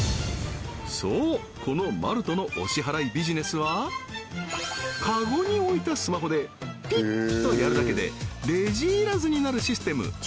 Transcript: そうこのマルトのお支払いビジネスはカゴに置いたスマホでピッとやるだけでレジいらずになるシステム